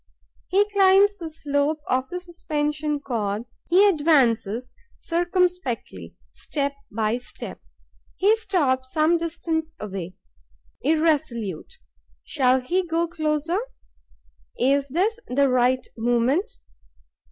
He climbs the slope of the suspension cord; he advances circumspectly, step by step. He stops some distance away, irresolute. Shall he go closer? Is this the right moment?